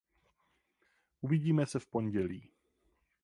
Uvidíme se v pondělí.